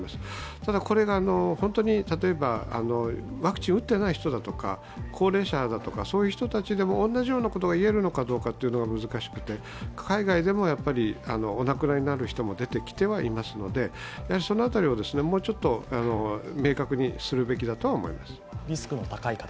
ただこれが、本当に例えばワクチン打っていない人だとか、高齢者だとか、そういう人たちでも同じようなことが言えるかは難しくて、海外でもお亡くなりになる人も出てきてはいますのでその辺りはもうちょっと、明確にするべきだとは思います。